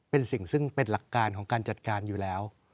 เป็นสิ่งซึ่งเป็นหลักการของการจัดการอยู่แล้ว